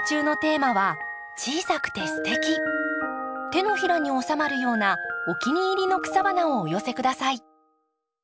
手のひらにおさまるようなお気に入りの草花をお寄せ下さい。